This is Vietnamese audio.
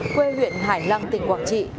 quê huyện hải lăng tỉnh quảng trị